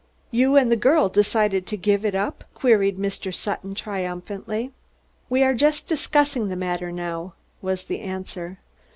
"You and the girl decided to give it up?" queried Mr. Sutton triumphantly. "We are just discussing the matter now," was the answer.